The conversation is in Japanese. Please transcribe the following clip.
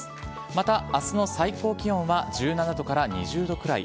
またあすの最高気温は、１７度から２０度くらい。